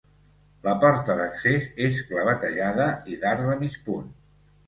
La porta d'accés és clavetejada i d'arc de mig punt.